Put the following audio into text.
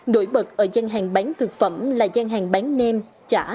đổi bật ở gian hàng bán thực phẩm là gian hàng bán nêm chả